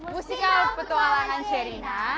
musikal petualangan sherina